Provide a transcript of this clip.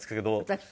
私？